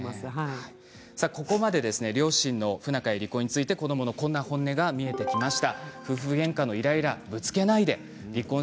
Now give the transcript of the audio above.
ここまで両親の不仲や離婚について子どものこんな本音が見えてきました。